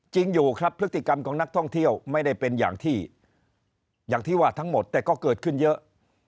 จริงอยู่ครับพฤติกรรมของนักท่องเที่ยวไม่ได้เป็นอย่างที่อย่างที่ว่าทั้งหมดแต่ก็เกิดขึ้นเยอะ